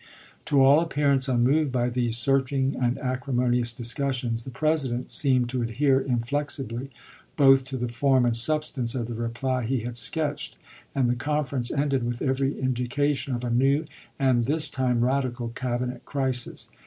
To all appearance unmoved by these searching and acrimonious discussions, the President seemed to adhere inflexibly both to the form and sub stance of the reply he had sketched, and the conference ended with every indication of a new, and this time radical, Cabinet crisis.